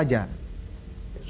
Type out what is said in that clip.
sudah agak jengah dengan polarisasi